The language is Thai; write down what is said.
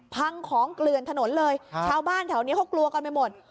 พังของเกลือนถนนเลยชาวบ้านแถวนี้เขากลัวกันไปหมด